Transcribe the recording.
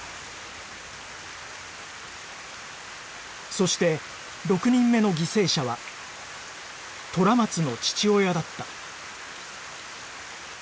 そして６人目の犠牲者は虎松の父親だった